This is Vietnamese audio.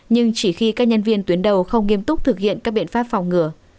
nhưng chỉ khi các nhân viên tuyến đầu không nghiêm túc thực hiện các biện pháp phòng ngừa